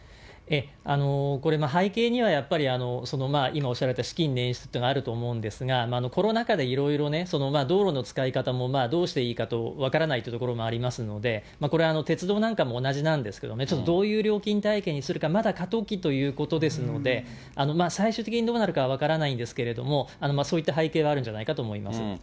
ええ、これも背景には今おっしゃった資金捻出っていうのがあると思うんですが、コロナ禍でいろいろね、道路の使い方もどうしていいかと分からないっていうところもありますので、これは、鉄道なんかも同じなんですけどね、ちょっとどういう料金体系にするか、まだ過渡期ということですので、最終的にどうなるかは分からないんですけれども、そういった背景があるんじゃないかと思います。